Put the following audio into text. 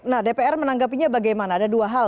nah dpr menanggapinya bagaimana ada dua hal